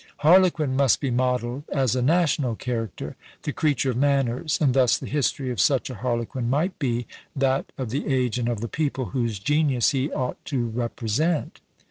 " Harlequin must be modelled as a national character, the creature of manners; and thus the history of such a Harlequin might be that of the age and of the people, whose genius he ought to represent.